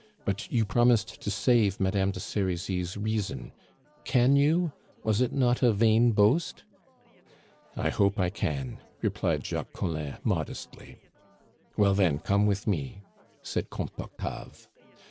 "But you promised to save Madame de Serizy's reason. Can you? Was it not a vain boast?" "I hope I can," replied Jacques Collin modestly. "Well, then, come with me," said Comte Octave.